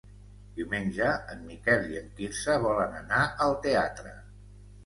Diumenge en Miquel i en Quirze volen anar al teatre.